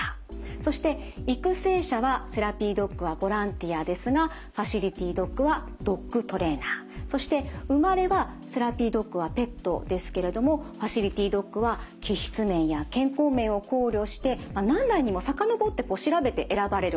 そして育成者はセラピードッグはボランティアですがファシリティドッグはドッグトレーナーそして生まれはセラピードッグはペットですけれどもファシリティドッグは気質面や健康面を考慮して何代にも遡って調べて選ばれるんだそうです。